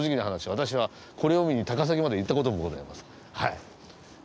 私はこれを見に高崎まで行った事もございます。